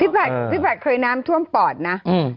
พี่ปัจเคยน้ำท่วมปอดนะ